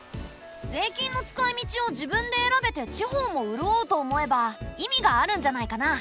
税金の使いみちを自分で選べて地方もうるおうと思えば意味があるんじゃないかな。